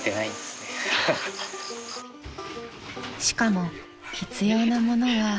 ［しかも必要なものは］